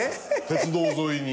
鉄道沿いに。